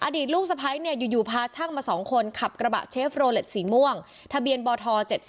ลูกสะพ้ายอยู่พาช่างมา๒คนขับกระบะเชฟโรเล็ตสีม่วงทะเบียนบท๗๒